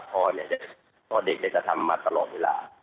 พ่อเนี่ยพ่อเด็กได้กระทำมาตลอดเวลา